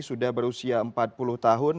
sudah berusia empat puluh tahun